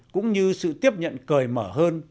cũng như sự tiếp nhận cởi mở hơn